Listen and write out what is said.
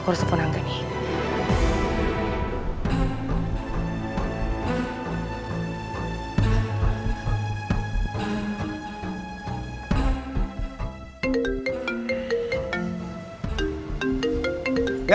gak gak gak bentar gue angkat telepon ya